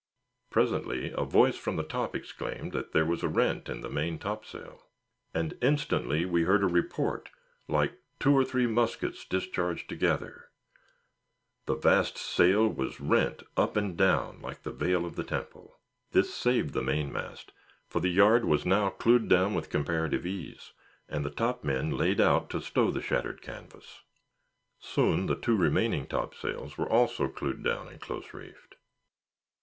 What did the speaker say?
Presently a voice from the top exclaimed that there was a rent in the main topsail. And instantly we heard a report like two or three muskets discharged together; the vast sail was rent up and down like the veil of the Temple. This saved the mainmast; for the yard was now clewed down with comparative ease, and the top men laid out to stow the shattered canvas. Soon the two remaining topsails were also clewed down and close reefed.